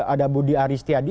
ada budi aristiadi